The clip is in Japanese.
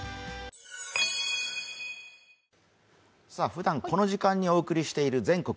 ふだん、この時間にお送りしている「全国！